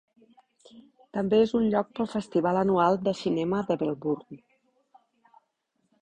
També és un lloc pel festival anual de cinema de Melbourne.